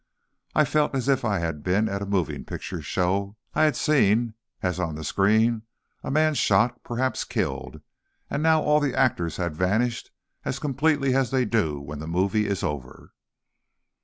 I felt as if I had been at a moving picture show. I had seen, as on the screen, a man shot, perhaps killed, and now all the actors had vanished as completely as they do when the movie is over.